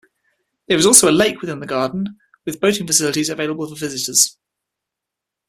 There is also a lake within the garden with boating facilities available for visitors.